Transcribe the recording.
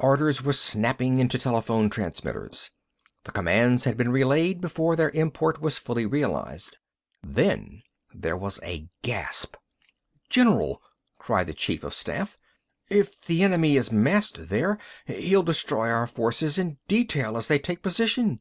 Orders were snapping into telephone transmitters. The commands had been relayed before their import was fully realized. Then there was a gasp. "General!" cried the chief of staff. "If the enemy is massed there, he'll destroy our forces in detail as they take position!"